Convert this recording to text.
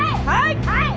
はい！